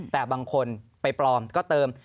แต่บางคนไปปลอมก็เติม